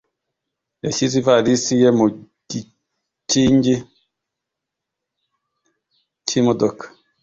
yashyize ivalisi ye mu gikingi cy'imodoka.